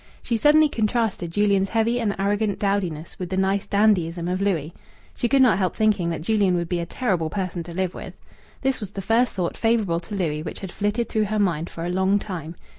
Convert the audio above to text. She suddenly contrasted Julian's heavy and arrogant dowdiness with the nice dandyism of Louis. She could not help thinking that Julian would be a terrible person to live with. This was the first thought favourable to Louis which had flitted through her mind for a long time.